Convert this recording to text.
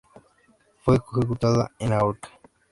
Fue ejecutada en la horca.